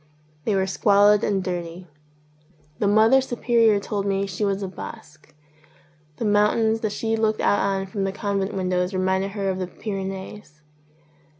They were squalid and dirty. The Mother Su perior told me she was a Basque. The mountains that she looked out on from the convent windows reminded her of the Pyrenees.